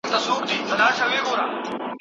پر سر یې واوري اوروي پای یې ګلونه